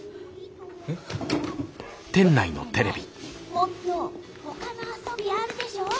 もっとほかの遊びあるでしょ？